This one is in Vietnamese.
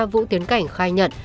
vũ tiến cảnh khai nhận